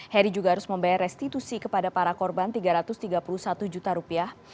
heri juga harus membayar restitusi kepada para korban tiga ratus tiga puluh satu juta rupiah